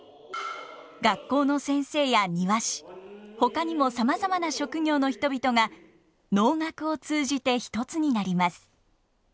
学校の先生や庭師ほかにもさまざまな職業の人々が能楽を通じて一つになります。